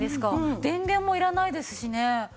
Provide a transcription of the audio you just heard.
電源もいらないですしね。